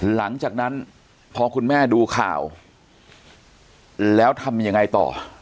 หลังจากนั้นพอคุณแม่ดูข่าวแล้วทำยังไงต่อ